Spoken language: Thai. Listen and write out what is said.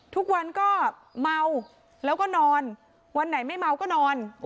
ทุกวันก็เมาแล้วก็นอนวันไหนไม่เมาก็นอน